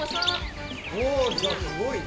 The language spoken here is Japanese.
おじゃすごいね。